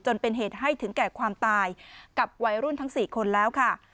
จนเป็นเหตุให้ถึงแก่ความตายกับวัยรุ่นทั้ง๔คนแล้วค่ะ